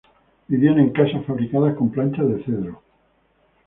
Vivían en cases fabricadas con planchas de cedro.